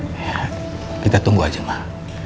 ya kita tunggu aja mah